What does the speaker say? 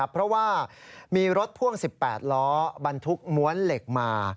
เพราะว่ามีรถพ่วง๑๘ล้อบรรทุกม้วนเหล็กมา